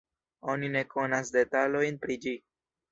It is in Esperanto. Oni ne konas detalojn pri ĝi.